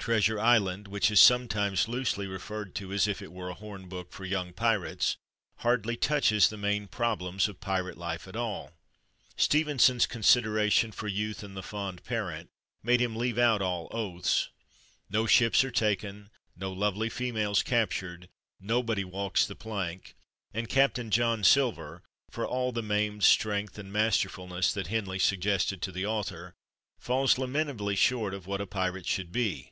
"Treasure Island," which is sometimes loosely referred to as if it were a horn book for young pirates, hardly touches the main problems of pirate life at all. Stevenson's consideration for "youth and the fond parient " made him leave out all oaths. No ships are taken, no lovely females captured, nobody walks the plank, and Captain John Silver, for all the maimed strength and masterfulness that Henley suggested to the author, falls lament ably short of what a pirate should be.